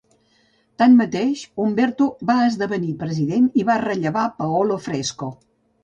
Tanmateix, Umberto va esdevenir president i va rellevar Paolo Fresco.